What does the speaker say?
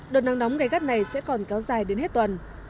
đợt nắng nóng gây gắt này sẽ còn kéo dài đến hết tuần